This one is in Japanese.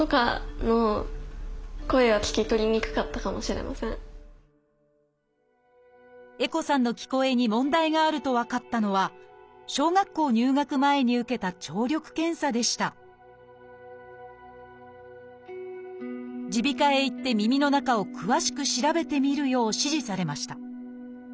絵心明日絵心さんの聞こえに問題があると分かったのは小学校入学前に受けた聴力検査でした耳鼻科へ行って耳の中を詳しく調べてみるよう指示されました。